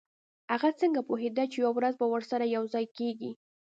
هغه څنګه پوهیده چې یوه ورځ به ورسره یوځای کیږي